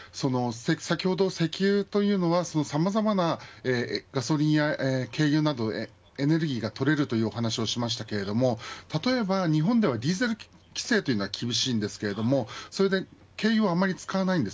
先ほど石油というのはさまざまなガソリンや軽油などエネルギーが採れるというお話をしましたけれども例えば日本ではディーゼル規制というのは厳しいんですけれども軽油をあまり使わないんです。